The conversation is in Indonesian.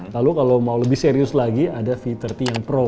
lalu kalau mau lebih serius lagi ada v tiga puluh yang pro